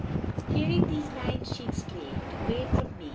Hearing these lines she exclaimed, "Away from me!